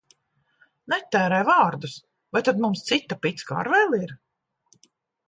Netērē vārdus! Vai tad mums cita picka ar vēl ir?